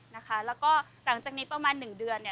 แล้วก็หลังจากนี้ประมาณ๑เดือน